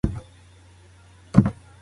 که سبزی وي نو معده نه دردیږي.